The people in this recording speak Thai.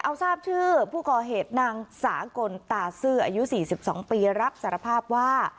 เอาทราบชื่อผู้ก่อเหตุนางสากลตาซื่ออายุ๔๒ปีรับสารภาพว่า